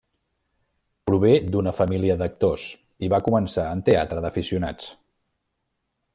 Prové d'una família d'actors i va començar en teatre d'aficionats.